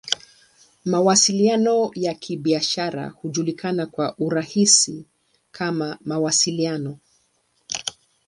Mawasiliano ya Kibiashara hujulikana kwa urahisi kama "Mawasiliano.